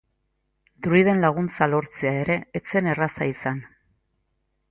Druiden laguntza lortzea ere ez zen erraza izan.